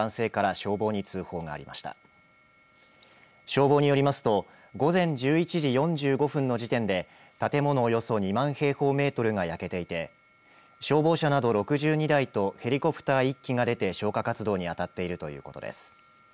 消防によりますと午前１１時４５分の時点で建物およそ２万平方メートルが焼けていて消防車など６２台とヘリコプター１機が出て消火活動にあたっているということです。